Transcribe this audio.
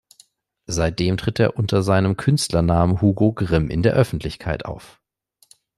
Seitdem tritt er unter seinem Künstlernamen Hugo Grimm in der Öffentlichkeit auf.